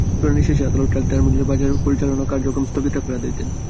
শুনানি শেষে আদালত ট্রাক টার্মিনালে বাজার পরিচালনা কার্যক্রম স্থগিত রাখার আদেশ দেন।